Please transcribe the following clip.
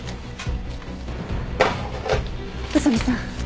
宇佐見さん。